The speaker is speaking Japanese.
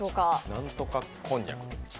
何とかこんにゃく。